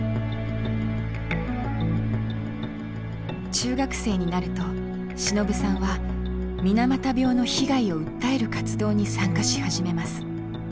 中学生になるとしのぶさんは水俣病の被害を訴える活動に参加し始めます。